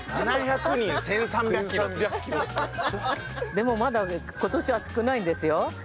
でもまだね今年は少ないんですよ。